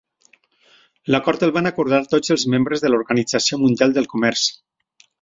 L'acord el van acordar tots els membres de l'Organització Mundial del Comerç.